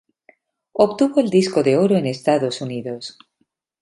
Obtuvo el disco de oro en Estados Unidos.